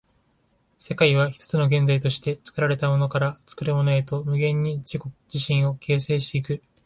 世界は一つの現在として、作られたものから作るものへと無限に自己自身を形成し行く。